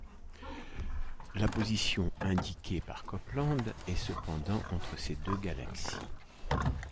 La position indiquée par Copeland est cependant entre ces deux galaxies.